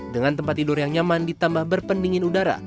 dengan tempat tidur yang nyaman ditambah berpendingin udara